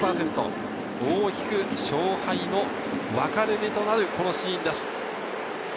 大きく勝敗の分かれ目となるこのシーンです。